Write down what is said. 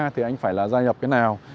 thì anh phải là gia nhập cái nào